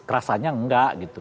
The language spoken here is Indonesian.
rasanya enggak gitu